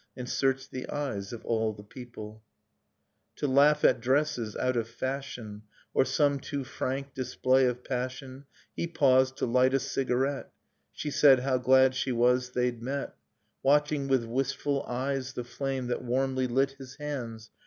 And search the eyes of all the people, Dust in Starlight To laugh at dresses out of fashion Or some too frank display of passion. He paused, to Hght a cigarette. She said how glad she was they'd met : Watching with wistful eyes the flame That warmly lit his hands.